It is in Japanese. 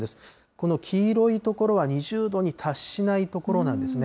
この黄色い所は２０度に達しない所なんですね。